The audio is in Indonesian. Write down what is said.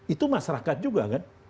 itu masyarakat juga kan